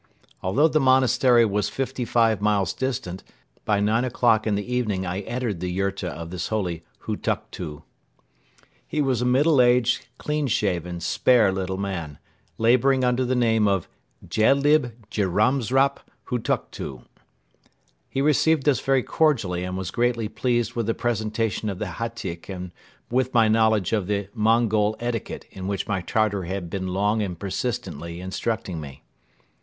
Although the monastery was fifty five miles distant, by nine o'clock in the evening I entered the yurta of this holy Hutuktu. He was a middle aged, clean shaven, spare little man, laboring under the name of Jelyb Djamsrap Hutuktu. He received us very cordially and was greatly pleased with the presentation of the hatyk and with my knowledge of the Mongol etiquette in which my Tartar had been long and persistently instructing me.